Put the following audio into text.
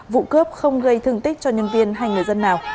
vụ cướp không gây thương tích cho nhân viên hay người dân nào